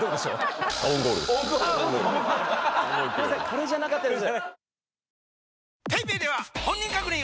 これじゃなかったです。